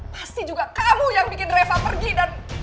pasti juga kamu yang bikin reva pergi dan